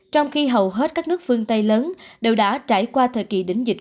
trong khi hầu hết các nước phương tây lớn đều đã trải qua thời kỳ đỉnh dịch